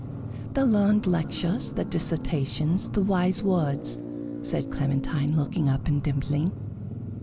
"The learned lectures, the dissertations, the wise words," said Clementine, looking up and dimpling.